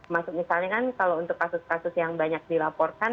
maksud misalnya kan kalau untuk kasus kasus yang banyak dilaporkan